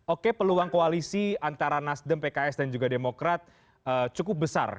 oke peluang koalisi antara nasdem pks dan juga demokrat cukup besar